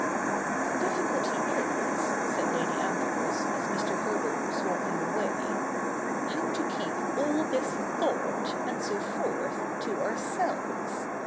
' The difficulty is,' said Lady Ambrose, as Mr. Herbert was walking away, ' how to keep all this thought, and so forth, to ourselves.